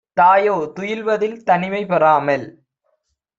தாயோ துயில்வதில் தனிமை பொறாமல்